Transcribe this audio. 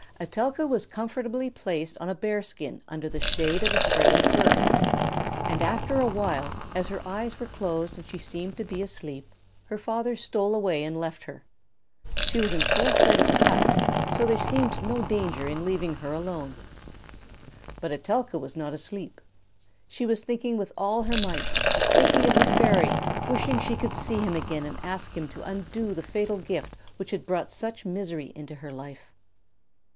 Etelka was comfortably placed on a bear skin under the shade of a spreading fir, and after a while, as her eyes were closed and she seemed to be asleep, her father stole away and left her. She was in full sight of the hut, so there seemed no danger in leaving her alone. But Etelka was not asleep. She was thinking with all her might, thinking of the fairy, wishing she could see him again and ask him to undo the fatal gift which had brought such misery into her life.